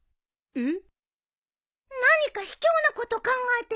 えっ？